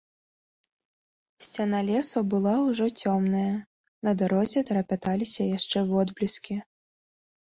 Сцяна лесу была ўжо цёмная, на дарозе трапяталіся яшчэ водбліскі.